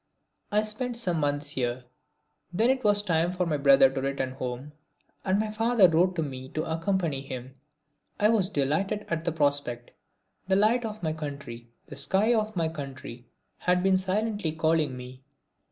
I spent some months here. Then it was time for my brother to return home, and my father wrote to me to accompany him. I was delighted at the prospect. The light of my country, the sky of my country, had been silently calling me.